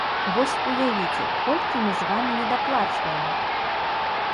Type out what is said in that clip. Вось уявіце, колькі мы з вамі недаплачваем!